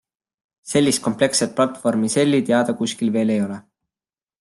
Sellist komplektset platvormi Selli teada kuskil veel ei ole.